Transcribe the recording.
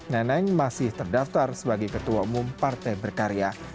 neneng masih terdaftar sebagai ketua umum partai berkarya